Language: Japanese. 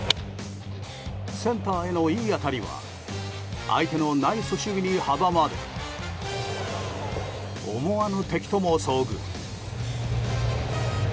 センターへのいい当たりは相手のナイス守備に阻まれ思わぬ敵とも遭遇。